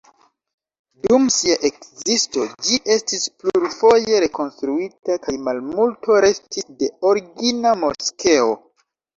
Dum sia ekzisto ĝi estis plurfoje rekonstruita, kaj malmulto restis de origina moskeo.